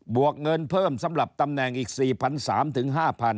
วกเงินเพิ่มสำหรับตำแหน่งอีก๔๓๐๐๕๐๐